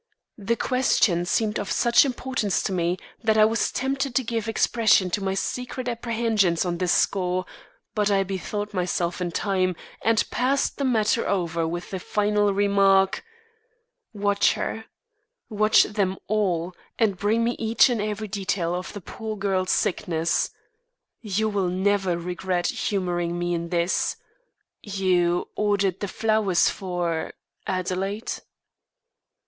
The question seemed of such importance to me that I was tempted to give expression to my secret apprehension on this score, but I bethought myself in time and passed the matter over with the final remark: "Watch her, watch them all, and bring me each and every detail of the poor girl's sickness. You will never regret humouring me in this. You ordered the flowers for Adelaide?"